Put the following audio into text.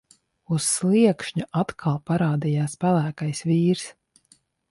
Uz sliekšņa atkal parādījās pelēkais vīrs.